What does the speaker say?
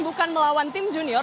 bukan melawan tim junior